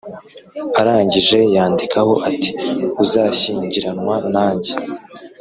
arangije yandikaho ati “uzashyingiranwa nanjye?”.